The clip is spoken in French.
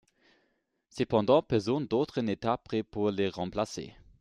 Cependant, personne d'autre n'était prêt pour le remplacer.